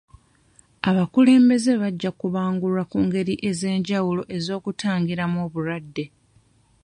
Abakulembeze bajja kubangulwa ku ngeri ez'enjawulo ez'okutangiramu obulwadde